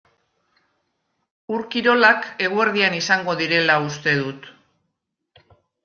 Ur-kirolak eguerdian izango direla uste dut.